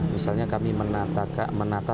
misalnya kami menata